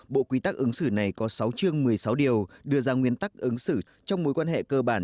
bộ quy tắc ứng xử này có sáu chương một mươi sáu điều đưa ra nguyên tắc ứng xử trong mối quan hệ cơ bản